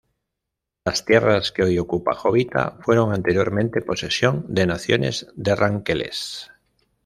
Las tierras que hoy ocupa Jovita fueron anteriormente posesión de naciones de ranqueles.